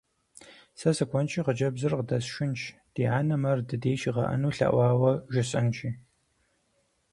Сэ сыкӏуэнщи, хъыджэбзыр къыдэсшынщ, ди анэм ар дыдей щигъэӀэну лъэӀуауэ жысӏэнщи.